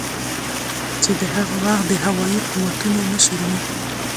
چې د هغه وخت د هوایي قوتونو مشر ؤ